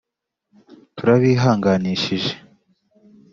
turabihanganishije